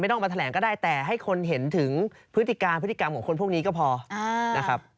ต้องมาแถลงก็ได้แต่ให้คนเห็นถึงพฤติการพฤติกรรมของคนพวกนี้ก็พอนะครับ